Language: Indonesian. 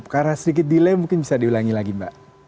karena sedikit delay mungkin bisa diulangi lagi mbak